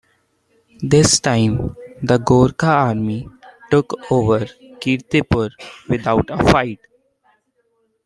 This time the Gorkha army took over Kirtipur without a fight.